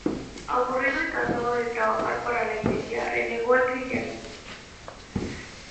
Aburrido y cansado de trabajar para la iglesia, renegó del cristianismo.